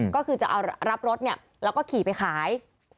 ก็คือจะรับรถเนี่ยแล้วก็ข่ีไปขาย